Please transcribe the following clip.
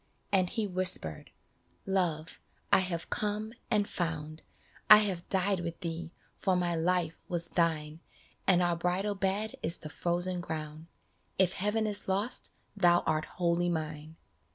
And he whispered, " Love, I have come and found ! I have died with thee, for my life was thine, And our bridal bed is the frozen ground, If heaven is lost thou art wholly mine.